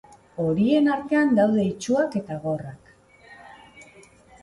Horien artean daude itsuak eta gorrak.